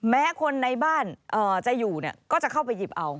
แม้คนในบ้านจะอยู่ก็จะเข้าไปหยิบเอา